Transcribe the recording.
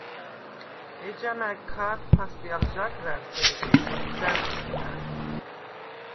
ეჯამა̈გ ქა̄თფასე ალ ჟაგრა̈რს, ერე კეთილშვ ჟ’ა̈ნტჷტნა̈ნ.